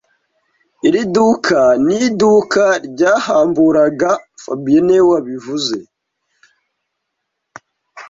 Iri duka ni iduka rya hamburger fabien niwe wabivuze